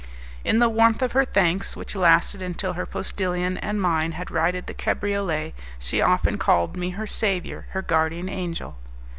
In the warmth of her thanks, which lasted until her postillion and mine had righted the cabriolet, she often called me her saviour, her guardian angel.